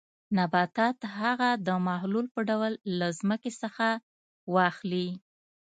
نباتات هغه د محلول په ډول له ځمکې څخه واخلي.